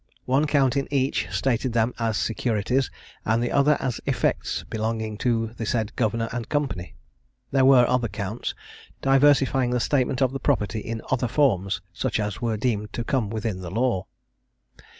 One count in each stated them as securities, and the other as effects belonging to the said Governor and Company. There were other counts, diversifying the statement of the property in other forms, such as were deemed to come within the law.